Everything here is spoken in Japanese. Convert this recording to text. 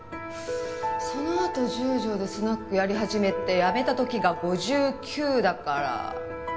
そのあと十条でスナックやり始めてやめた時が５９だから何年？